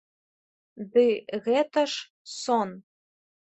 Ды гэта ж сон!..